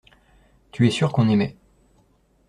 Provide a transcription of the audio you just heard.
Tu es sûr qu’on aimait.